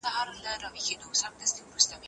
څارنه د ماشوم د روغتيا ساتنه تضمينوي.